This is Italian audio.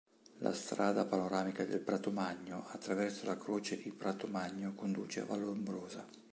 La strada panoramica del Pratomagno attraverso la Croce di Pratomagno conduce a Vallombrosa.